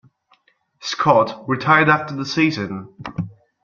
Scott retired after the season.